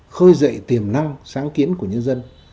khơi dậy tiềm năng sáng kiến của nhân dân